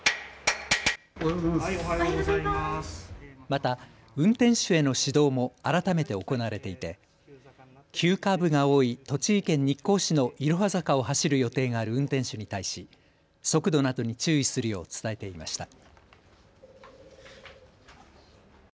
また運転手への指導も改めて行われていて急カーブが多い栃木県日光市のいろは坂を走る予定がある運転手に対し速度などに注意するよう伝えていました。